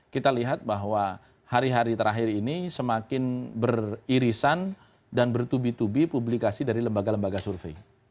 kita lihat bahwa hari hari terakhir ini semakin beririsan dan bertubi tubi publikasi dari lembaga lembaga survei